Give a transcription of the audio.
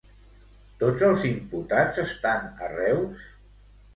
Tots els imputats estan a Reus?